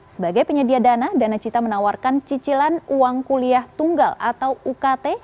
sebagai penyedia dana danacita menawarkan cicilan uang kuliah tunggal atau ukt